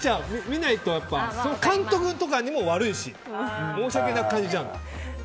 見ないと、監督とかにも悪いし申し訳なく感じちゃう。